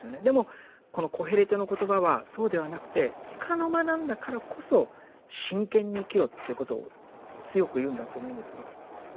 でもこの「コヘレトの言葉」はそうではなくて束の間なんだからこそ真剣に生きろっていうことを強く言うんだと思うんですけど。